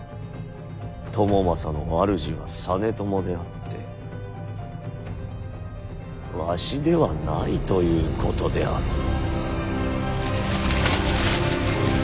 朝雅の主は実朝であってわしではないということであろう。